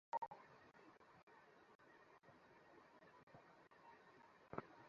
আপনার মাথায় মুকুটের চেয়ে তাহার মাথায় মুকুট দেখিতে রাজার বেশি আনন্দ হয়।